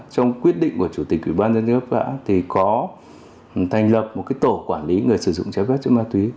trong quyết định của chủ tịch ubnd cấp xã thì có thành lập một tổ quản lý người sử dụng trái phép chất ma túy